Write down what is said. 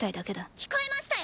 聞こえましたよ！